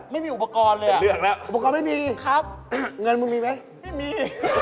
ไม่มีอุปกรณ์เลยนะอุปกรณ์ไม่มีครับเงินมรึงมีไหมไม่มี